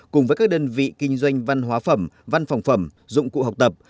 cùng với các đơn vị kinh doanh văn hóa phẩm văn phòng phẩm dụng cụ học tập